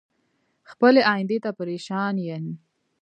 خپلې ايندی ته پریشان ين